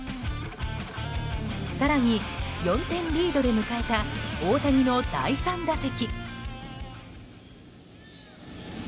更に、４点リードで迎えた大谷の第３打席。